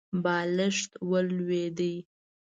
بالښت ولوېد.